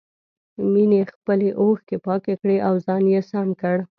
مينې خپلې اوښکې پاکې کړې او ځان يې سم کړ.